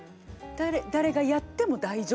誰がやっても大丈夫。